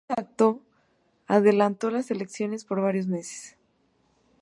Este acto adelantó las elecciones por varios meses.